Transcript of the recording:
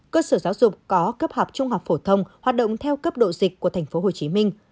cơ sở giáo dục có cấp học trung học phổ thông hoạt động theo cấp độ dịch của tp hcm